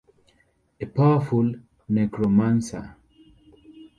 A powerful Necromancer.